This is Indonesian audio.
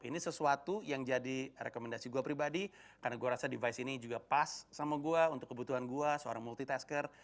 ini sesuatu yang jadi rekomendasi gue pribadi karena gue rasa device ini juga pas sama gue untuk kebutuhan gue seorang multitasker